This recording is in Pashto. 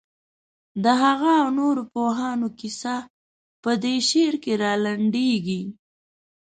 د هغه او نورو پوهانو کیسه په دې شعر کې رالنډېږي.